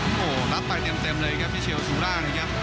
โอ้โหรับไปเต็มเลยครับพี่เชียวสู่ร่าง